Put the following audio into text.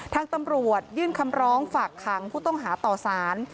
ทางตำรวจยื่นคำร้องฝากขังผู้ต้องหาต่อสาร